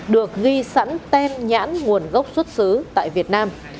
được ghi sẵn tem nhãn nguồn gốc xuất xứ tại việt nam